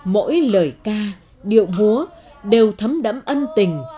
mỗi lời ca điệu múa đều thấm đẫm ân tình